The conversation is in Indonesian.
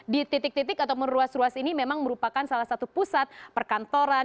di titik titik ataupun ruas ruas ini memang merupakan salah satu pusat perkantoran